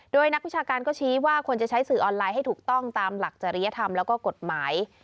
โดยนักวิชาการก็ชี้ว่าควรจะใช้สื่อออนไลน์ให้ถูกต้องตามหลักจริยธรรมแล้วก็กฎหมาย